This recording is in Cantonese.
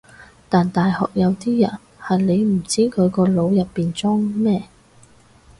但大學有啲人係你唔知佢個腦入面裝咗乜